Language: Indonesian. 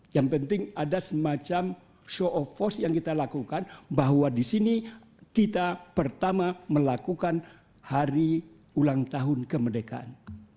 yang penting ada semacam show of force yang kita lakukan bahwa di sini kita pertama melakukan hari ulang tahun kemerdekaan